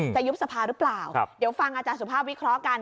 ยุบสภาหรือเปล่าเดี๋ยวฟังอาจารย์สุภาพวิเคราะห์กัน